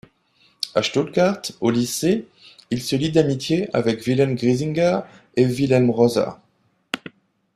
À Stuttgart, au lycée, il se lie d'amitié avec Wilhelm Griesinger et Wilhelm Roser.